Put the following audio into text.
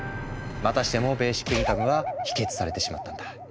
またしてもベーシックインカムは否決されてしまったんだ。